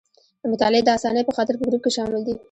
د مطالعې د اسانۍ په خاطر په ګروپ کې شامل دي.